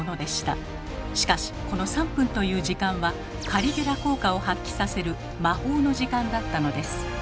しかしこの３分という時間はカリギュラ効果を発揮させる「魔法の時間」だったのです。